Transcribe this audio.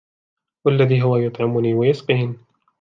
والذي هو يطعمني ويسقين